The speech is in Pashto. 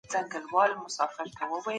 استاد وویل چي هر شاګرد باید هڅه وکړي.